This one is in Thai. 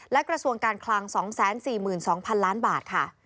และกระทรวงการคลัง๒๔๒๐๐๐ล้านบาทค่ะ